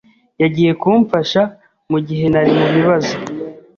Yagiye kumfasha mugihe nari mubibazo.